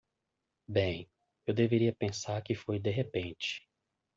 Bem, eu deveria pensar que foi de repente!